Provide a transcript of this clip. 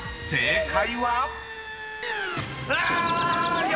［正解は⁉］